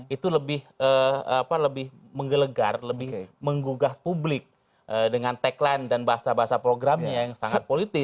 itu lebih menggelegar lebih menggugah publik dengan tagline dan bahasa bahasa programnya yang sangat politis